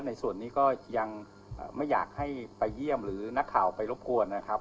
ในส่วนนี้ก็ยังไม่อยากให้ไปเยี่ยมหรือนักข่าวไปรบกวนนะครับ